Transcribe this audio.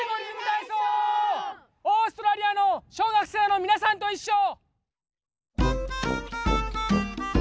オーストラリアの小学生のみなさんといっしょ！